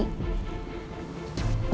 dan yang lebih parahnya lagi